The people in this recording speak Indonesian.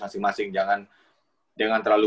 masing masing jangan terlalu